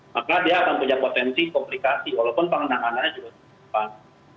maka dia akan punya potensi komplikasi walaupun penanganannya juga cepat